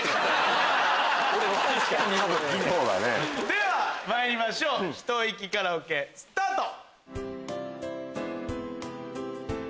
ではまいりましょうひと息カラオケスタート！